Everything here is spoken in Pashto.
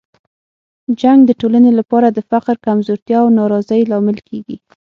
جنګ د ټولنې لپاره د فقر، کمزورتیا او ناراضۍ لامل کیږي.